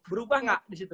berubah nggak di situ